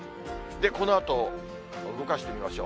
このあと、動かしてみましょう。